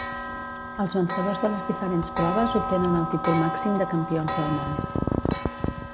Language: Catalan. Els vencedors de les diferents proves obtenen el títol màxim de Campions del Món.